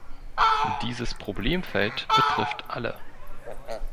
Dieses Problemfeld betrifft alle.